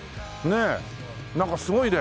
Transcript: なんかすごいね。